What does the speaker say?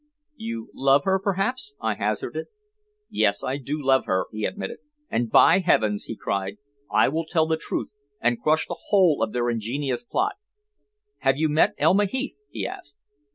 "You love her, perhaps?" I hazarded. "Yes, I do love her," he admitted. "And, by heaven!" he cried, "I will tell the truth and crush the whole of their ingenious plot. Have you met Elma Heath?" he asked.